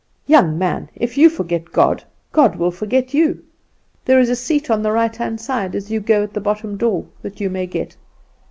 Young man, if you forget God, God will forget you. There is a seat on the right hand side as you go at the bottom door that you may get.